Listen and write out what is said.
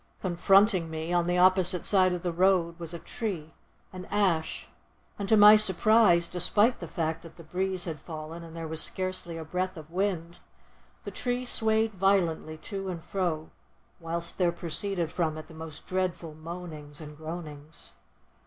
Confronting me, on the opposite side of the road, was a tree, an ash, and to my surprise, despite the fact that the breeze had fallen and there was scarcely a breath of wind, the tree swayed violently to and fro, whilst there proceeded from it the most dreadful moanings and groanings.